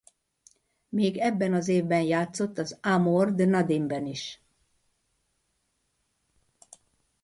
Még ebben az évben játszott a Amor de nadie-ben is.